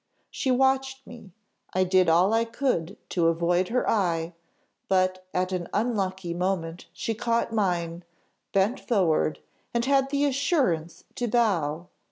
She watched me; I did all I could to avoid her eye, but at an unlucky moment she caught mine, bent forward, and had the assurance to bow.